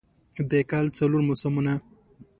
د کال څلور موسمونه